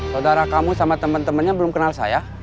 saudara kamu sama temen temennya belum kenal saya